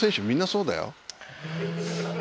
みんなそうだよ。